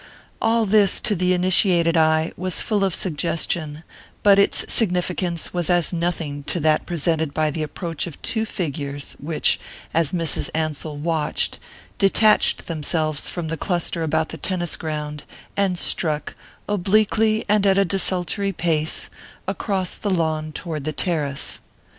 All this, to the initiated eye, was full of suggestion; but its significance was as nothing to that presented by the approach of two figures which, as Mrs. Ansell watched, detached themselves from the cluster about the tennis ground and struck, obliquely and at a desultory pace, across the lawn toward the terrace.